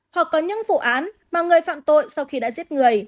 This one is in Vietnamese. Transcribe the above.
hoặc có những vụ án mà người phạm tội sau khi đã giết người